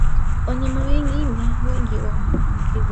Wanyama wengi wenye maambukizi watakufa